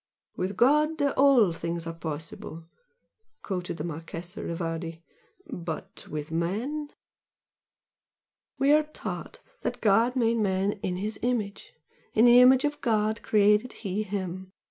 "With God all things are possible!" quoted the Marchese Rivardi "But with man " "We are taught that God made man 'in His image. In the image of God created He him.'